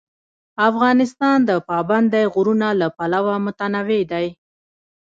افغانستان د پابندی غرونه له پلوه متنوع دی.